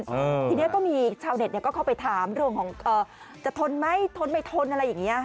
ทีนี้ก็มีชาวเน็ตเข้าไปถามเรื่องของจะทนไหมทนไม่ทนอะไรอย่างนี้